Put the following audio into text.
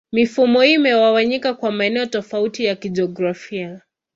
Mifumo hii imegawanyika kwa maeneo tofauti ya kijiografia.